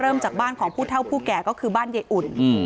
จากบ้านของผู้เท่าผู้แก่ก็คือบ้านยายอุ่น